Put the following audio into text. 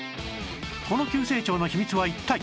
この急成長の秘密は一体？